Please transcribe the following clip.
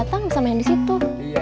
terima kasih ibu